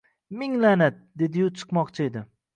Ming la’nat!» – dediyu chiqmoqchi edi